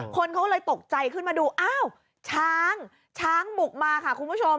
คนเขาเลยตกใจขึ้นมาดูอ้าวช้างช้างบุกมาค่ะคุณผู้ชม